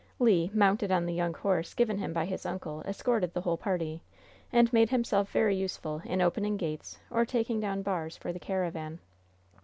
Le, mounted on the young horse given him by his uncle, escorted the whole party, and made himself very useful in opening gates or taking down bars for the caravan.